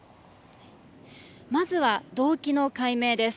まずは動機の解明です。